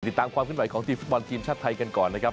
ติดตามความขึ้นไหวของทีมฟุตบอลทีมชาติไทยกันก่อนนะครับ